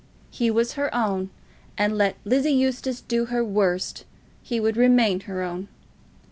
He was her own, and let Lizzie Eustace do her worst, he would remain her own.